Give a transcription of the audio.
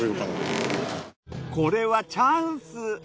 これはチャンス！